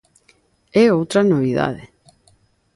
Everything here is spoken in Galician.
E outra novidade...